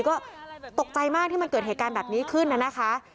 ก็ตกใจมากที่มันเกิดเหตุการณ์แบบนี้ขึ้นนะคะ